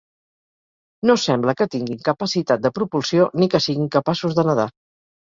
No sembla que tinguin capacitat de propulsió ni que siguin capaços de nedar.